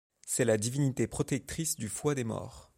C'est la divinité protectrice du foie des morts.